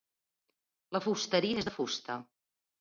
La fusteria és de fusta.